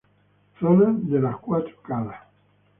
Zona de las Cuatro Calas.